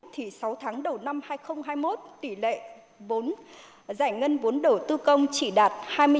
sáu tháng đầu năm hai nghìn hai mươi một tỷ lệ giải ngân vốn đầu tư công chỉ đạt hai mươi chín hai